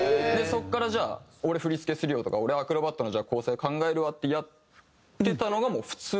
そこから「じゃあ俺振付するよ」とか「俺アクロバットのじゃあ構成考えるわ」ってやってたのがもう普通になって。